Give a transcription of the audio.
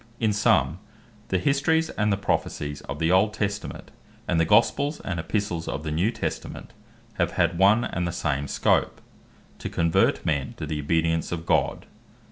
In summe, the Histories and the Prophecies of the old Testament, and the Gospels, and Epistles of the New Testament, have had one and the same scope, to convert men to the obedience of God; 1.